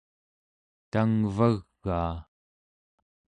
tangvagaa